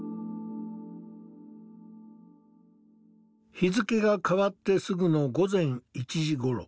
日付が変わってすぐの午前１時頃。